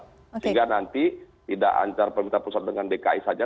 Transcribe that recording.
sehingga nanti tidak antar pemerintah pusat dengan dki saja